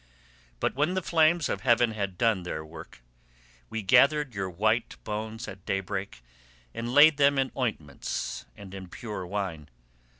But when the flames of heaven had done their work, we gathered your white bones at daybreak and laid them in ointments and in pure wine.